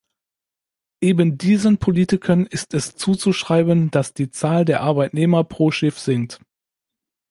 Ebendiesen Politiken ist es zuzuschreiben, dass die Zahl der Arbeitnehmer pro Schiff sinkt.